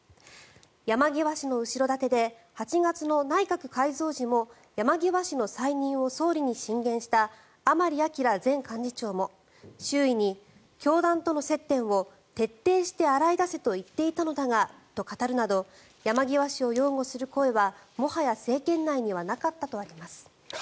山際氏の後ろ盾で８月の内閣改造時も山際氏の再任を総理に進言した甘利明前幹事長も周囲に、教団との接点を徹底して洗い出せと言っていたのだがと語るなど山際氏を擁護する声はもはや政権内にはなかったとあります。